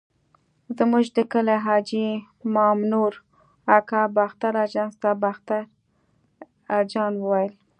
زموږ د کلي حاجي مامنور اکا باختر اژانس ته باختر اجان ویل.